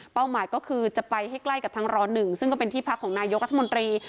หมายก็คือจะไปให้ใกล้กับทางร๑ซึ่งก็เป็นที่พักของนายกรัฐมนตรี